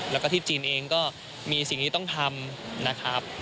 แล้วก็ที่จีนเองก็มีสิ่งที่ต้องทำนะครับ